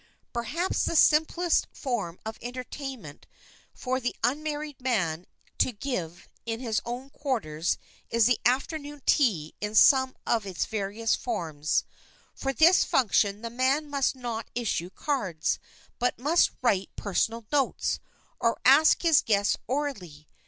[Sidenote: INVITING THE GUESTS] Perhaps the simplest form of entertainment for the unmarried man to give in his own quarters is the afternoon tea in some of its various forms. For this function the man must not issue cards, but must write personal notes, or ask his guests orally.